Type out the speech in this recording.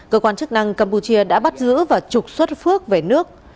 cơ quan chức năng campuchia đã bắt giữ và trục xuất phước về nước